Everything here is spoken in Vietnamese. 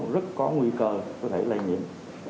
rất có nguy cơ có thể lây nhiễm